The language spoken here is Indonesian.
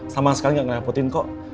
sama sekali gak ngerepotin kok